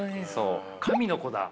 神の子だ。